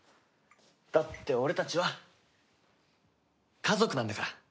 だって俺たちは家族なんだから。